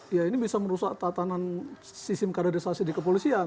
ya ini bisa merusak tatanan sistem kaderisasi di kepolisian